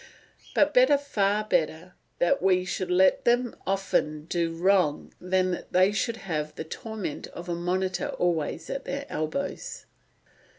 But better, far better, that we should let them often do wrong than that they should have the torment of a monitor always at their elbows."